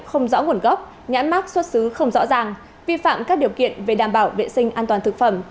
không rõ nguồn gốc nhãn mát xuất xứ không rõ ràng vi phạm các điều kiện về đảm bảo vệ sinh an toàn thực phẩm